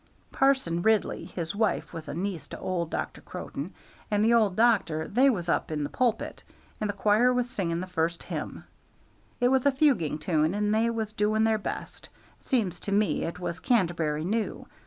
"Parson Ridley his wife was a niece to old Dr. Croden and the old doctor they was up in the pulpit, and the choir was singing the first hymn it was a fuguing tune, and they was doing their best: seems to me it was 'Canterbury New.'